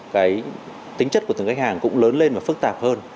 cái tính chất của từng khách hàng cũng lớn lên và phức tạp hơn